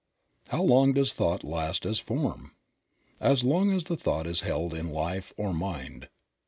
How long does thought last as form? As long as the thought is held in Life or Mind.